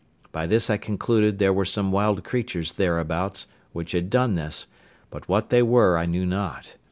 By this I concluded there were some wild creatures thereabouts, which had done this; but what they were I knew not.